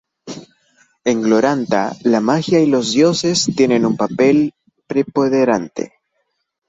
En Glorantha la magia y los dioses tienen un papel preponderante.